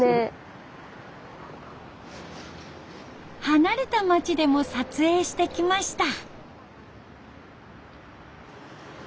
離れた町でも撮影してきました。